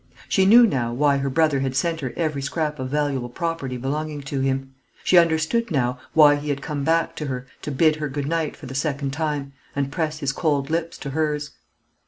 She knew now why her brother had sent her every scrap of valuable property belonging to him. She understood now why he had come back to her to bid her good night for the second time, and press his cold lips to hers.